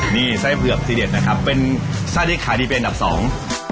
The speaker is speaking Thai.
นี่ไส้เผือกซีเด็ดนะครับเป็นไส้ที่ขายดีเป็นอันดับสอง